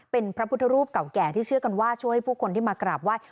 เป็นพระพุทธรูปเก่าแก่ที่เชื่อกันว่าช่วยให้ผู้คนที่มากราบไหว้